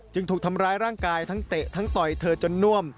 ถูกทำร้ายร่างกายทั้งเตะทั้งต่อยเธอจนน่วม